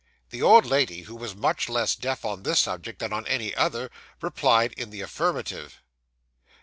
The old lady, who was much less deaf on this subject than on any other, replied in the affirmative.